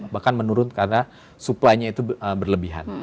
bahkan menurun karena supply nya itu berlebihan